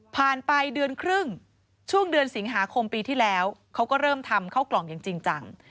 ไปเดือนครึ่งช่วงเดือนสิงหาคมปีที่แล้วเขาก็เริ่มทำเข้ากล่องอย่างจริงจัง